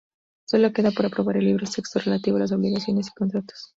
Sólo queda por aprobar el Libro sexto, relativo a las obligaciones y contratos.